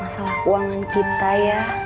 masalah keuangan kita ya